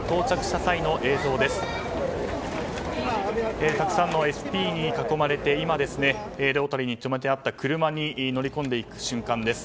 たくさんのＳＰに囲まれてロータリーに止めてあった車に乗り込んでいく瞬間です。